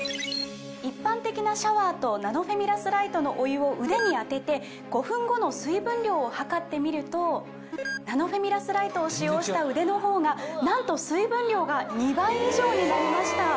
一般的なシャワーとナノフェミラスライトのお湯を腕に当てて５分後の水分量を測ってみるとナノフェミラスライトを使用した腕のほうがなんと水分量が２倍以上になりました。